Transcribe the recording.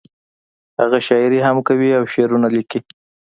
هغه شاعري هم کوي او شعرونه ليکي